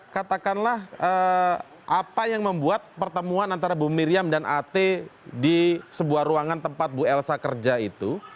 katakanlah apa yang membuat pertemuan antara bu miriam dan at di sebuah ruangan tempat bu elsa kerja itu